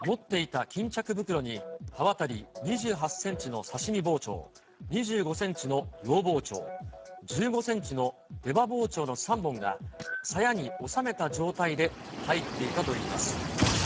持っていたきんちゃく袋に刃渡り２８センチの刺身包丁、２５センチの洋包丁、１５センチの出刃包丁の３本が、さやにおさめた状態で入っていたといいます。